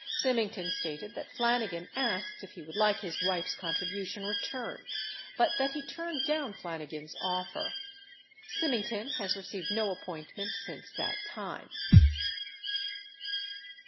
Symington stated that Flanigan asked if he would like his wife's contribution returned, but that he turned down Flanigan's offer. Symington has received no appointment since that time.